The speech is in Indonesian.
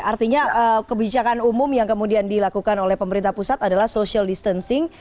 artinya kebijakan umum yang kemudian dilakukan oleh pemerintah pusat adalah social distancing